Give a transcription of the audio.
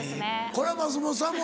これは松本さんも。